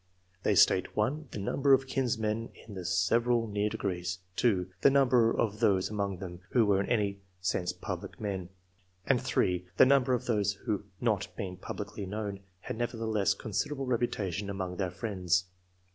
They state— (1) the number of kinsmen in the several near degrees ; (2) the number of those among them who were in any I.] . ANTECEDENTS, 71 sense public men ; and (3) the number of those who, not being publicly known, had never theless considerable reputation among their friends.